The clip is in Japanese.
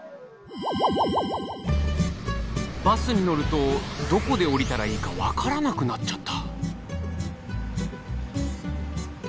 バスに乗るとどこで降りたらいいか分からなくなっちゃった。